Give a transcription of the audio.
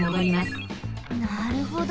なるほど。